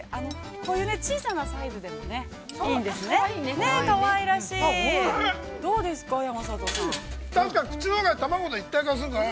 小さなサイズでもいいんですね。